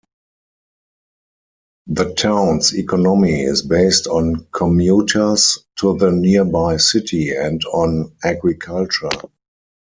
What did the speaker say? The town's economy is based on commuters to the nearby city, and on agriculture.